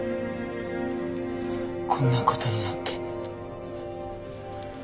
こんなことになって。